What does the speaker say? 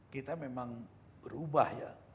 kita memang berubah ya